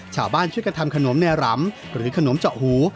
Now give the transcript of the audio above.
ชาวบ้านช่วยกันทำขนมแนวหรำหรือขนมเจาะหู